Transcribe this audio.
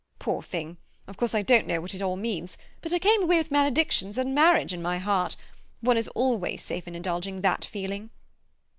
Poor thing! Of course I don't know what it all means, but I came away with maledictions on marriage in my heart—one is always safe in indulging that feeling."